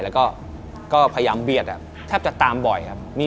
แล้วก็พยายามเบียดแทบจะตามบ่อยครับ